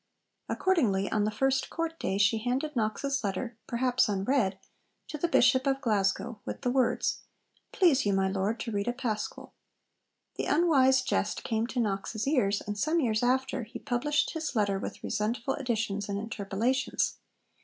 Accordingly, on the first Court day she handed Knox's letter, perhaps unread, to the Bishop of Glasgow, with the words, 'Please you, my Lord, to read a Pasquil.' The unwise jest came to Knox's ears, and some years after he published his letter with resentful additions and interpolations.